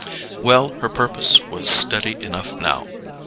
Well, her purpose was steady enough now.